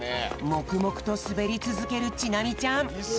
もくもくとすべりつづけるちなみちゃん。